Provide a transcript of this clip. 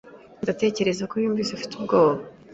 Ndatekereza ko yumvise afite ubwoba.